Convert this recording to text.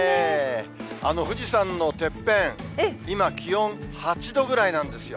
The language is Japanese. あの富士山のてっぺん、今、気温８度ぐらいなんですよ。